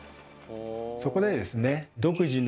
そこでですね